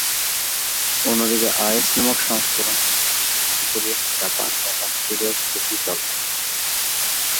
অন্যদিকে আইস নামক সংস্করণটি দক্ষিণ কোরিয়া, জাপান ও অস্ট্রেলিয়াতে বেশি চলে।